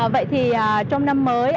vậy thì trong năm mới